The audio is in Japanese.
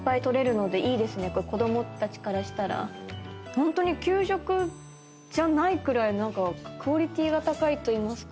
ホントに給食じゃないくらい何かクオリティーが高いといいますか。